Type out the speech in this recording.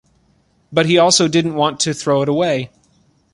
But he also didn’t want to throw it away.